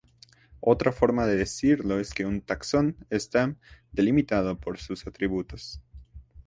Otra forma de decirlo es que un taxón está "delimitado" por sus atributos.